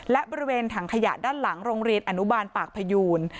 และบริเวณถังขยะด้านหลังโรงเรียนอนุบาลปากพยูน